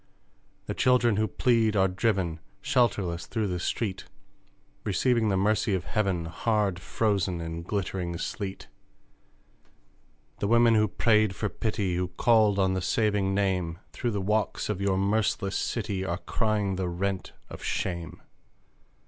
The children who plead are driven, Shelterless, through the street, Receiving the Mercy of heaven Hard frozen in glittering Sleet! The women who prayed for pity, Who called on the saving Name, Through the walks of your merciless city, Are crying the rent, of shame!